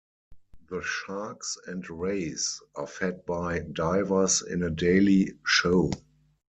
The sharks and rays are fed by divers in a daily show.